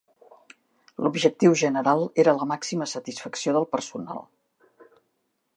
L'objectiu general era la màxima satisfacció del personal.